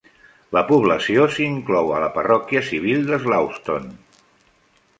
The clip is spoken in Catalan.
La població s'inclou a la parròquia civil de Slawston.